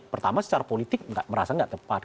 pertama secara politik merasa tidak tepat